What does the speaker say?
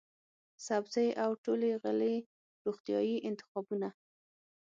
سبزۍ او ټولې غلې روغتیايي انتخابونه،